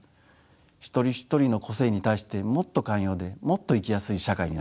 一人一人の個性に対してもっと寛容でもっと生きやすい社会になる。